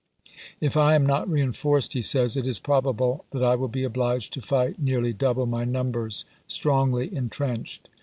" If I am not reen forced," he says, "it is probable that I will be obliged to fight nearly double my numbers, strongly intrenched."